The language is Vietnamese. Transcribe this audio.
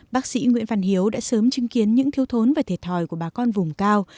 bác sĩ nguyễn văn hiếu đã sớm chứng kiến những thiếu thốn và thiệt thòi của bà con vùng cao